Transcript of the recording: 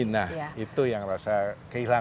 nah itu yang rasa kehilangan